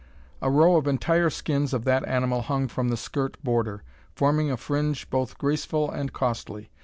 A row of entire skins of that animal hung from the skirt border, forming a fringe both graceful and costly.